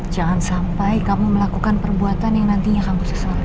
jangan sampai kamu melakukan perbuatan yang nantinya kamu sesuai